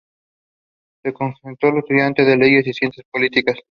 Se concentró en el estudio de Leyes y Ciencias Políticas.